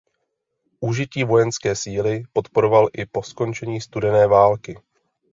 Užití vojenské síly podporoval i po skončení studené války.